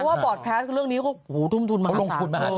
เพราะว่าบอร์ดแพสต์เรื่องนี้ก็ทุ่มทุนมาหาศาสตร์